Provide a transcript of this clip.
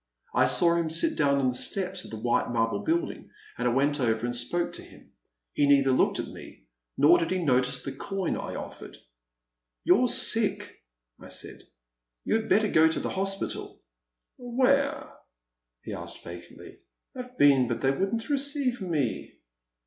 I saw him sit down on the steps of the white marble building, and I went over and spoke to him. He neither looked at pie, nor did he no tice the coin I oflFered. '* You 're sick,*' I said, '* you had better go to the hospital. Where ?'*' he asked vacantly —*' I *ve been, but they would n*t receive me.